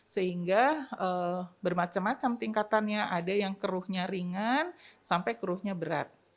sehingga bermacam macam tingkatannya ada yang keruhnya ringan sampai keruhnya berat